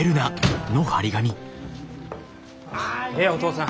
ええお父さん。